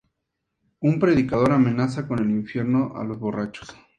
Un predicador amenaza con el infierno a los borrachos.